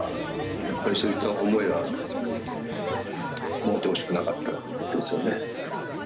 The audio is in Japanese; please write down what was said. そういった思いは持ってほしくなかったですね。